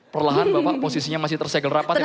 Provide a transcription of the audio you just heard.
perlahan bapak posisinya masih tersegel rapat ya pak